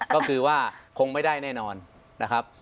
ก็คือว่าคงไม่ได้แน่นอนนะครับ